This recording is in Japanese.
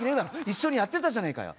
一緒にやってたじゃねえかよ！